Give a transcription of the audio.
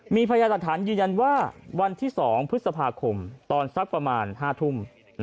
มีพยานหลักฐานยืนยันว่าวันที่๒พฤษภาคมตอนสักประมาณ๕ทุ่ม